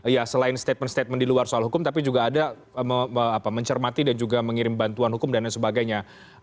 ya selain statement statement di luar soal hukum tapi juga ada mencermati dan juga mengirim bantuan hukum dan lain sebagainya